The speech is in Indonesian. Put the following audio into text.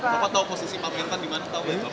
bapak tau posisi pak mentang dimana